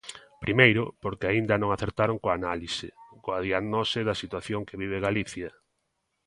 Primeiro, porque aínda non acertaron coa análise, coa diagnose da situación que vive Galicia.